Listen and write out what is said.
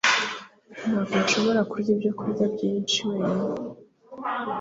ntabwo nshobora kurya ibyo kurya byinshi wenyine